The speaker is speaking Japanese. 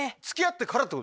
つきあってから。